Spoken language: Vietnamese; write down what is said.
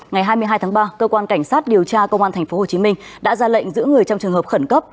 ngày hai mươi hai tháng ba cơ quan cảnh sát điều tra công an tp hcm đã ra lệnh giữ người trong trường hợp khẩn cấp